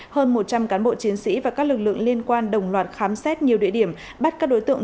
hơn một trăm linh cán bộ chiến sĩ và các lực lượng liên quan đồng loạt khám xét nhiều địa điểm bắt các đối tượng